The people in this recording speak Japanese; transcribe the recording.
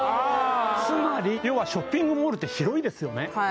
つまり要はショッピングモールって広いですよね